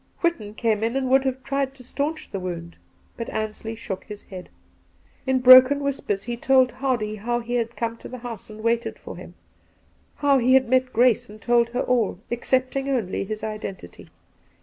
Whitton came in and would have tried to stanch the wound, but Ansley shook his head. In broken whispers he told Hardy how he had come to the house and waited for him; how he had met Grace aiad told her all, excepting only his identity.